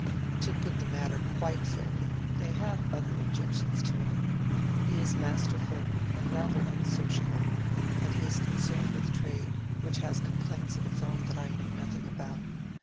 "To put the matter quite fairly, they have other objections to him:—he is masterful and rather unsociable, and he is concerned with trade, which has complaints of its own that I know nothing about.